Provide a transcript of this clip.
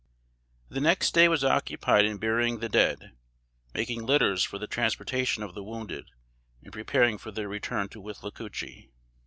The next day was occupied in burying the dead, making litters for the transportation of the wounded, and preparing for their return to Withlacoochee.